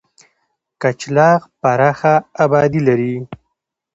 کچلاغ پراخه آبادي لري.